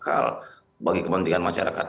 hal bagi kepentingan masyarakat